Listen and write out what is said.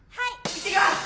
いってきます！